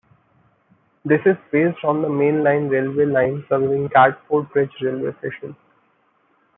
This is based on the main line railway line serving Catford Bridge railway station.